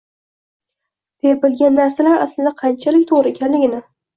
deb bilgan narsalar aslida qanchalik to’g’ri ekanligini